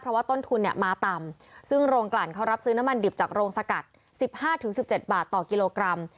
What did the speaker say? เพราะว่าต้นทุนเนี่ยมาต่ำซึ่งโรงกลั่นเขารับซื้อน้ำมันดิบจากโรงสกัด๑๕๑๗บาทต่อกิโลกรัม